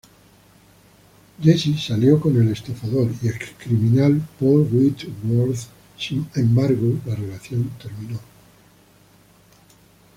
Jessie salió con el estafador y ex-criminal Paul Whitworth, sin embargo la relación terminó.